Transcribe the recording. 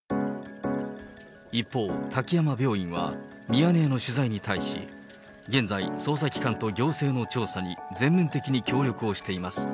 一方、滝山病院はミヤネ屋の取材に対し、現在、捜査機関と行政の調査に全面的に協力をしています。